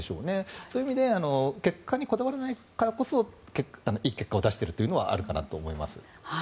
そういう意味で結果にこだわらないからこそいい結果を出しているかなというのはあります。